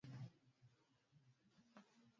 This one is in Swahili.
msitu huu wa kitropiki tofauti miti yote